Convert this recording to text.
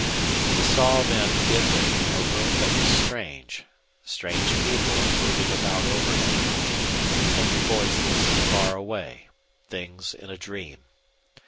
He saw then, dimly, a room that was strange, strange people moving about over him, with faint voices, far away, things in a dream.